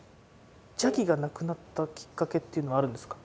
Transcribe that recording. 邪気がなくなったきっかけっていうのはあるんですか？